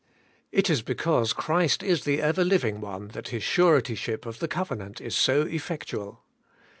It is because Christ is the Ever living One that His surety ship of the covenant is so effectual.